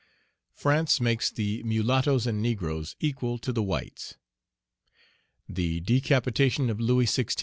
France makes the mulattoes and negroes equal to the whites The decapitation of Louis XVI.